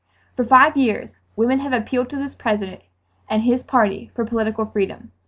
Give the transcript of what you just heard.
. "For five years women have appealed to this President and his party for political freedom.